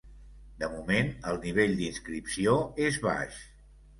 De moment, el nivell d’inscripció és baix.